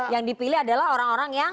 yang dipilih adalah orang orang yang